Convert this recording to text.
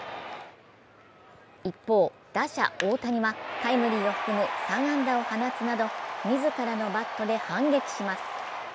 一方、打者・大谷はタイムリーを含む３安打を放つなど自らのバットで反撃します。